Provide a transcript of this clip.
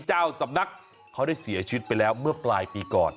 เจ้าสำนักเขาได้เสียชีวิตไปแล้วเมื่อปลายปีก่อน